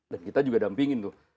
dan kita juga dampingin tuh